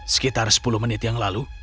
sekitar sepuluh menit yang lalu